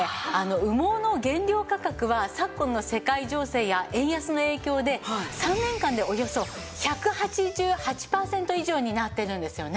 羽毛の原料価格は昨今の世界情勢や円安の影響で３年間でおよそ１８８パーセント以上になっているんですよね。